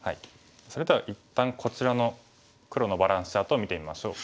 それでは一旦こちらの黒のバランスチャートを見てみましょう。